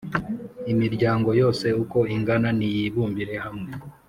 imiryango yose uko ingana niyibumbire hamwe,